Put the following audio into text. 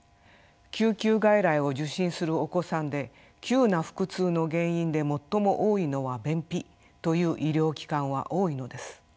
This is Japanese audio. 救急外来を受診するお子さんで急な腹痛の原因で最も多いのは便秘という医療機関は多いのです。